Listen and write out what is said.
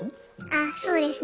あそうですね。